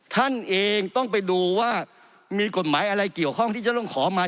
ท่านเองต้องไปดูว่ามีกฎหมายอะไรเกี่ยวข้องที่จะต้องขอมา